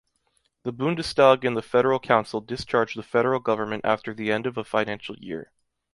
The Bundestag and the Federal Council discharge the Federal Government after the end of a financial year.